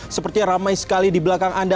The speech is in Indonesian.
sepertinya ramai sekali di belakang anda